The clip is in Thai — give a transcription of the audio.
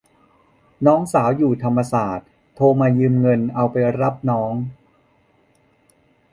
น้องสาวอยู่ธรรมศาสตร์โทรมายืมเงินเอาไปรับน้อง